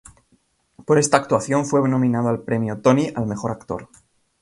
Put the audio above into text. Por esta actuación fue nominado al Premio Tony al mejor actor.